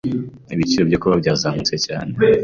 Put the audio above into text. Ibiciro byo kubaho byazamutse cyane.